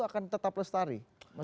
akan tetap lestari